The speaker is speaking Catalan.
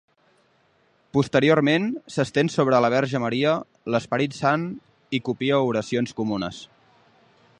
Posteriorment s'estén sobre la Verge Maria, l'Esperit Sant i copia oracions comunes.